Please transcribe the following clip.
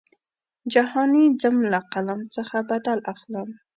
جهاني ځم له قلم څخه بدل اخلم.